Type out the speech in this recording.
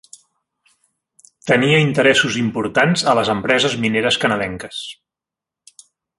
Tenia interessos importants a les empreses mineres canadenques.